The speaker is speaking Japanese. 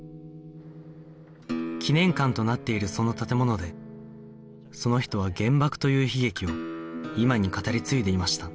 祈念館となっているその建物でその人は原爆という悲劇を今に語り継いでいました